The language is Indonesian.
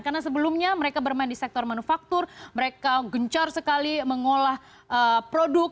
karena sebelumnya mereka bermain di sektor manufaktur mereka gencar sekali mengolah produk